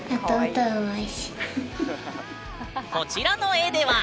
こちらの絵では。